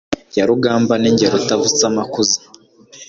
ya rugamba ni jye Rutavutsamakuza